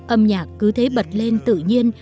âm nhạc cứ thế bật lên tự nhiên